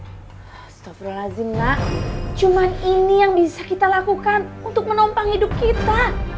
astaghfirullahaladzim nak cuman ini yang bisa kita lakukan untuk menompang hidup kita